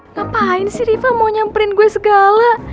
ngapain sih riva mau nyamperin gue segala